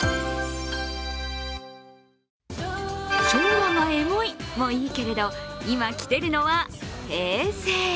昭和がエモいもいいけれど、今きているのは平成。